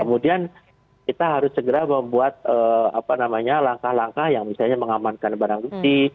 kemudian kita harus segera membuat apa namanya langkah langkah yang misalnya mengamankan barang cuci